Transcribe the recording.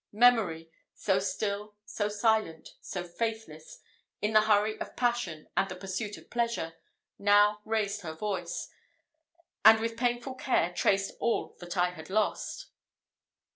Memory, so still, so silent, so faithless, in the hurry of passion, and the pursuit of pleasure, now raised her voice, and with painful care traced all that I had lost.